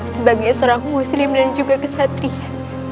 sebagai seorang muslim dan juga kesatria